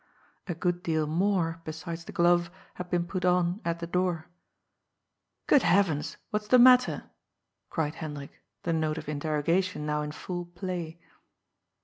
A good deal more, besides the glove, had been put on at the door. "Good heavens, what's the matter?" cried Hendrik — the note of interrogation now in full play.